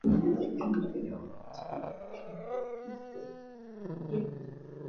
nchi ya kuanza duniani kuwa na matukio ya ubakaji